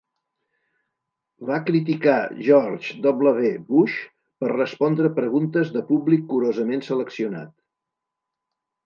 Va criticar George W. Bush per respondre preguntes de públic curosament seleccionat.